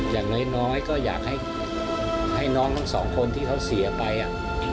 อย่างน้อยก็อยากให้น้องทั้งสองคนที่เขาเสียไปอ่ะ